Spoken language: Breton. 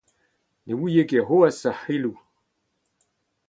Ne ouie ket c’hoazh ar c’heloù !